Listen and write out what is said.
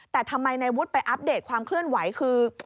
แต่ทำไมในวุฒิไปอัปเดตความเคลื่อนไหวคือ